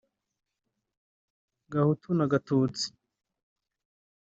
Gahutu na Gatutsi